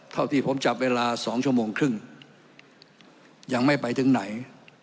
เท่าที่ผมจับเวลา๒ชั่วโมงครึ่งยังไม่ไปถึงไหน